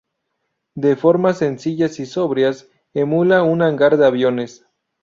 De formas sencillas y sobrias, emula un hangar de aviones.